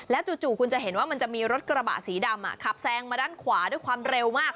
จู่คุณจะเห็นว่ามันจะมีรถกระบะสีดำขับแซงมาด้านขวาด้วยความเร็วมาก